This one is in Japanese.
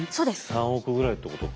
３億ぐらいってことか。